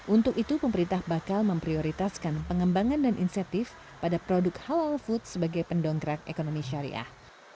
untuk itu pemerintah bakal memprioritaskan pengembangan dan insentif pada produk halal food sebagai pendongkrak ekonomi syariah